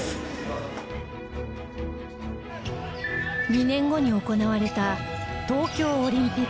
２年後に行われた東京オリンピックでも。